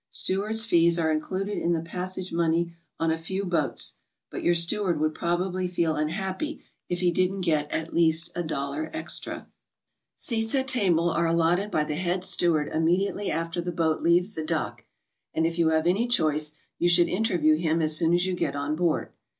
Steward's fees are included in the passage money on a few boats, but your steward would probably feel unhappy if he didn't get at least a dollar extra. Seats at table are allotted by the head steward imme diately after the boat leaves the dock, and if you have any choice, you should interview him as soon as you get on board.